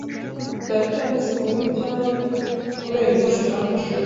Data yaretse kunywa itabi kubera ubuzima bwe.